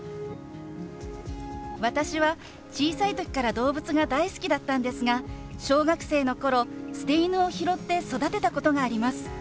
私は小さい時から動物が大好きだったんですが小学生の頃捨て犬を拾って育てたことがあります。